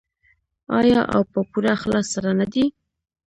آیا او په پوره اخلاص سره نه دی؟